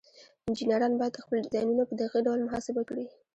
انجینران باید خپل ډیزاینونه په دقیق ډول محاسبه کړي.